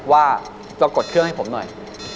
ว่าเรากดเครื่องให้ผมหน่อย